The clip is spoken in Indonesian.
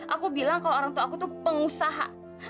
aku bilang kalau orang tua aku tuh pengusaha